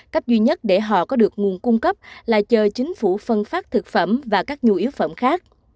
cách duy nhất để họ có được nguồn cung cấp là chờ chính phủ phân phát thực phẩm và các nhu yếu phẩm khác